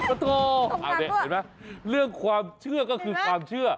โอ้โหเห็นไหมเรื่องความเชื่อก็คือความเชื่อ